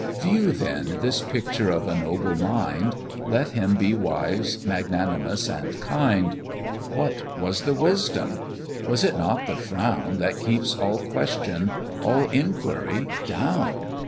View then this picture of a noble mind, Let him be wise, magnanimous, and kind; What was the wisdom? Was it not the frown That keeps all question, all inquiry down?